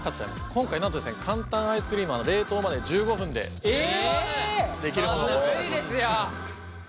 今回なんとですね簡単アイスクリームは冷凍まで１５分でできるものをご紹介します。